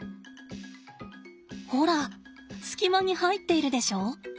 ほら隙間に入っているでしょ？